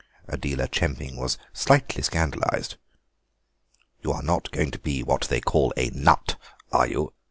Adela Chemping was slightly scandalised. "You are not going to be what they call a Nut, are you?"